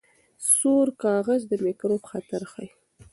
سور کاغذ د میکروب خطر ښيي.